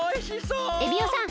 エビオさん